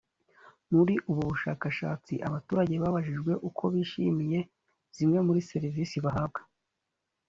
muri ubu bushakashatsi abaturage babajijwe uko bishimiye zimwe muri serivisi bahabwa